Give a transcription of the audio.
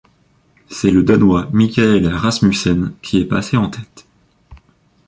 C'est le Danois Michael Rasmussen qui est passé en tête.